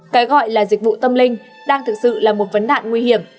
cái gọi là dịch vụ tâm linh đang thực sự là một vấn nạn nguy hiểm